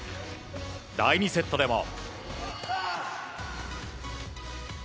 第２セットでも。